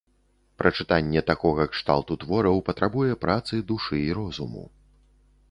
Прачытанне такога кшталту твораў патрабуе працы душы і роздуму.